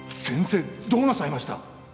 先生どうなさいました？